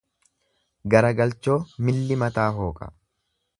Garagalchoo milli mataa hooqa.